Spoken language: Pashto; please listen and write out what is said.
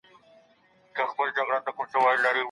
د بدعي طلاق معنی څه ده؟